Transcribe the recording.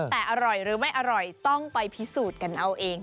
แต่อร่อยหรือไม่อร่อยต้องไปพิสูจน์กันเอาเอง